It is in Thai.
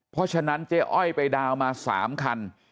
เพราะฉะนั้นเจ๊อ้อยไปดาวน์มา๓คัน